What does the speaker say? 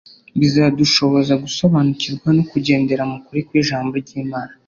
bizadushoboza gusobanukirwa no kugendera mu kuri kw'ijambo ry'Imana.